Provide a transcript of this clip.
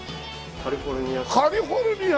カリフォルニア！